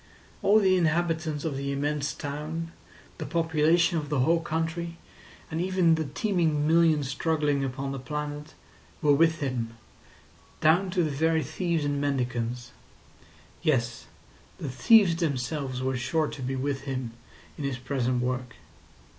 All the inhabitants of the immense town, the population of the whole country, and even the teeming millions struggling upon the planet, were with him—down to the very thieves and mendicants. Yes, the thieves themselves were sure to be with him in his present work.